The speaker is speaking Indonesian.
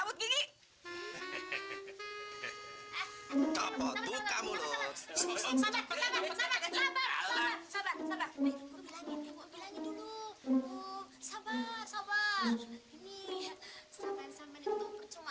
wajih ayah membunuh kita juga wajih